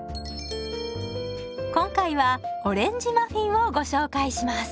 今回はオレンジマフィンをご紹介します。